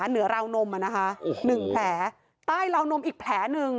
เหนือราวนมอ่ะนะคะโอ้โหหนึ่งแผลใต้ราวนมอีกแผลหนึ่ง